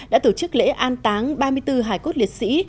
đã tổ chức lễ an táng ba mươi bốn hải cốt liệt sĩ